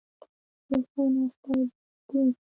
کښېناستل بد دي.